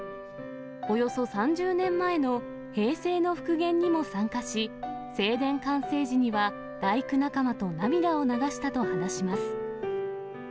およそ３０年前の平成の復元にも参加し、正殿完成時には大工仲間と涙を流したと話します。